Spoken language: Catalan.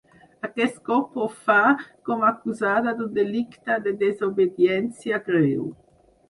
Aquest cop ho fa com acusada d’un delicte de desobediència greu.